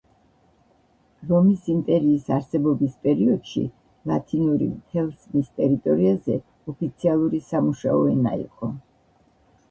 რომის იმპერიის არსებობის პერიოდში ლათინური მთელს მის ტერიტორიაზე ოფიციალური სამუშაო ენა იყო.